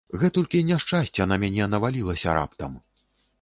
Гэтулькі няшчасця на мяне навалілася раптам!